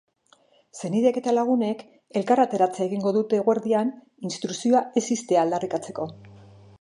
Senideek eta lagunek elkarretaratzea egingo dute eguerdian instrukzioa iz ixtea aldarrikatzeko.